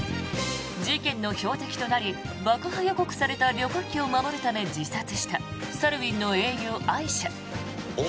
事件の標的となり爆破予告された旅客機を守るため自殺したサルウィンの英雄・アイシャ。